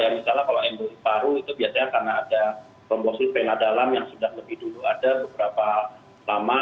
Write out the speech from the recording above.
misalnya kalau emble paru itu biasanya karena ada komposis vena dalam yang sudah lebih dulu ada beberapa lama